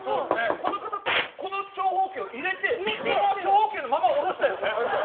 この方って、この長方形を入れてそのまま長方形のままおろしたよね。